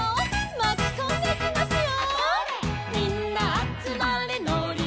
「まきこんでいきますよ」